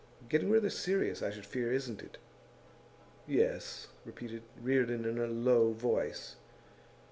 'Getting rather serious, I should fear, isn't it?' 'Yes,' repeated Reardon, in a low voice.